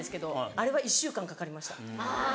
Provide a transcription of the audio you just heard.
あれは１週間かかりました。